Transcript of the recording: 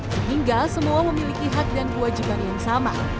sehingga semua memiliki hak dan kewajiban yang sama